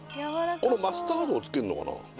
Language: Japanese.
このマスタードをつけんのかな